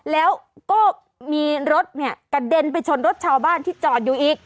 แล้วก็มีรถเนี่ยกระเด็นไปชนรถชาวบ้านที่จอดอยู่อีก